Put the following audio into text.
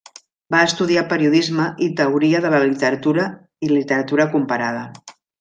Va estudiar Periodisme i Teoria de la Literatura i Literatura Comparada.